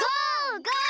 ゴー！